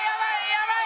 やばい！